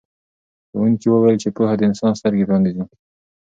ښوونکي وویل چې پوهه د انسان سترګې پرانیزي.